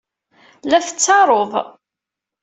La tettaruḍ.